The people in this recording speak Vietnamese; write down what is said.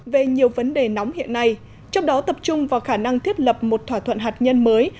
về nhiều vấn đề nóng hiện nay trong đó tập trung vào khả năng thiết lập một thỏa thuận hạt nhân mới